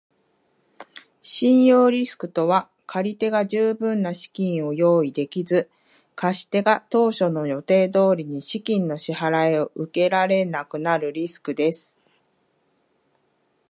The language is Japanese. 信用リスクとは借り手が十分な資金を用意できず、貸し手が当初の予定通りに資金の支払を受けられなくなるリスクである。